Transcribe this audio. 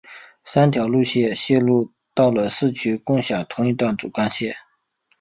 三条线路到了市区共享同一段主干线路。